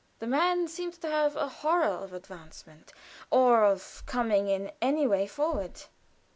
The man seemed to have a horror of advancement, or of coming in any way forward.